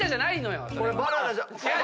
これバナナじゃ。